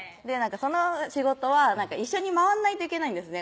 その仕事は一緒に回んないといけないんですね